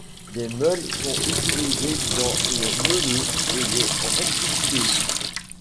Des meules sont utilisées dans les meuleuses et les rectifieuses.